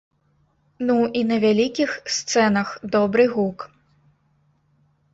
Ну, і на вялікіх сцэнах добры гук.